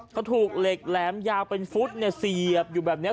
เขาถูกเหล็กแหลมยาวเป็นฟุตเสียบอยู่แบบนี้